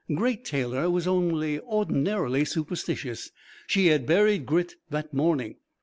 Great Taylor was only ordinarily superstitious. She had buried Grit that morning.